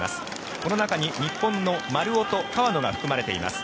この中に日本の丸尾と川野が含まれています。